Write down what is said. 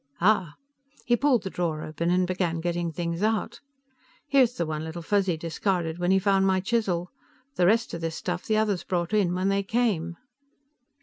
"Ah!" He pulled the drawer open and began getting things out. "Here's the one Little Fuzzy discarded when he found my chisel. The rest of this stuff the others brought in when they came."